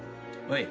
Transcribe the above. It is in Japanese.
はい。